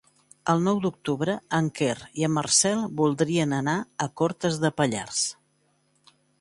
El nou d'octubre en Quer i en Marcel voldrien anar a Cortes de Pallars.